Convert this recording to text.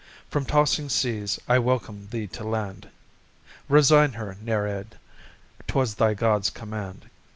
From tossing seas I welcome thee to land. "Resign her, Nereid," 'twas thy God's command.